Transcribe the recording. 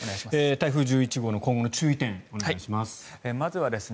台風１１号の今後の注意点お願いします。